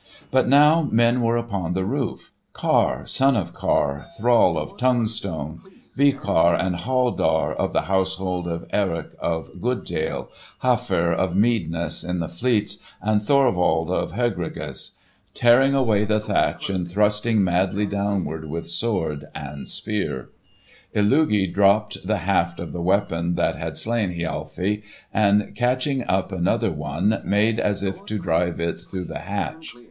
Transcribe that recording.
But now men were upon the roof—Karr, son of Karr, thrall of Tongue stone, Vikaar and Haldarr of the household of Eirik of Good dale, Hafr of Meadness in the Fleets and Thorwald of Hegra ness—tearing away the thatch and thrusting madly downward with sword and spear. Illugi dropped the haft of the weapon that had slain Hialfi, and catching up another one, made as if to drive it through the hatch.